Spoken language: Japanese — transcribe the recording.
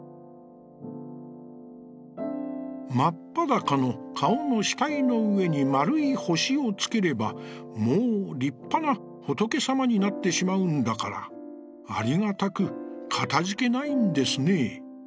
「マッパダカの顔の額の上に丸い星をつければ、もう立派な仏様になって仕舞うんだから、ありがたく、忝いんですね。